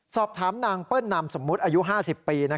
สอบถามนางเปิ้ลนามสมมุติอายุ๕๐ปี